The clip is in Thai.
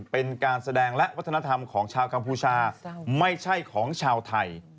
เป็นการแสดงและวัฒนธรรมของชาวกัมพูชาไม่ใช่ของชาวไทย